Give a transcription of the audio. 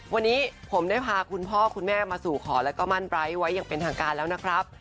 วันนี้ผมได้พาคุณพ่อคุณแม่มาสู่ขอแล้วก็มั่นไร้ไว้อย่างเป็นทางการแล้วนะครับ